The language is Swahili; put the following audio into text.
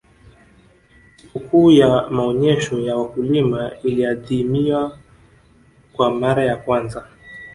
Sikukuu ya maonyesho ya wakulima iliadhimiahwa kwa mara ya kwanza